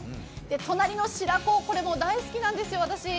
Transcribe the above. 隣の白子も大好きなんですよ、私。